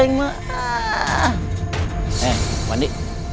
eh bang pandi